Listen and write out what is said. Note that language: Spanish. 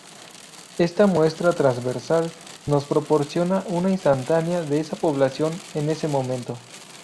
Esta muestra transversal nos proporciona una instantánea de esa población, en ese momento.